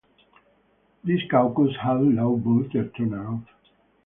This Caucus had low voter turnout.